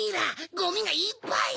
ゴミがいっぱい！